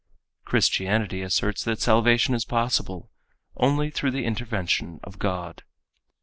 Christianity asserts that salvation is possible only through the intervention of God.